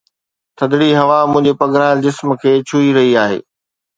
ٿڌڙي هوا منهنجي پگهرايل جسم کي ڇهي رهي آهي